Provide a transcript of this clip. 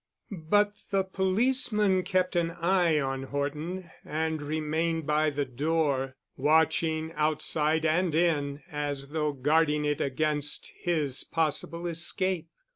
But the policeman kept an eye on Horton and remained by the door, watching outside and in as though guarding it against his possible escape.